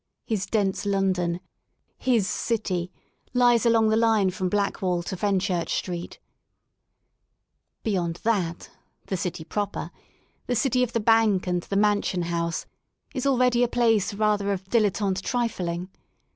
His dense London, his City, lies along the line from Blackwall to WORK IN LONDON Fenchurch Street Beyond that, the City proper, the city of the Bank and the Mansion House, is already a place rather of dilettante trifling.